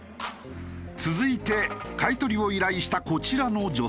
続いて買い取りを依頼したこちらの女性。